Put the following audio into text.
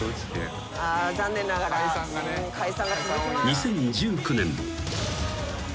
［２０１９年］